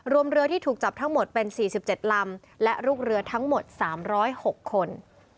เรือที่ถูกจับทั้งหมดเป็น๔๗ลำและลูกเรือทั้งหมด๓๐๖คน